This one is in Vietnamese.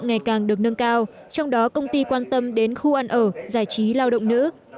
ngày càng được nâng cao trong đó công ty quan tâm đến khu ăn ở giải trí lao động nữ